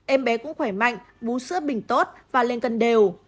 em bé cũng khỏe mạnh bú sữa bình tốt và lên cân đều